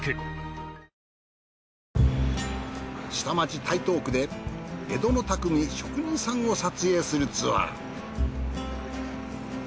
下町台東区で江戸の匠・職人さんを撮影するツアー。